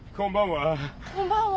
こんばんは。